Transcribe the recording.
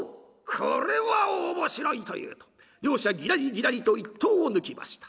これは面白い」というと両者ギラリギラリと一刀を抜きました。